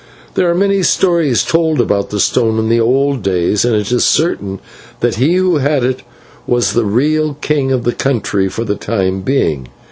"There are many stories told about the stone in the old days, and it is certain that he who had it was the real king of the country for the time being.